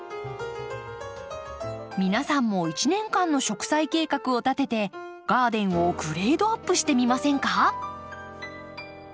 皆さんも一年間の植栽計画を立ててガーデンをグレードアップしてみませんか？